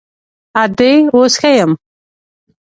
_ادې، اوس ښه يم.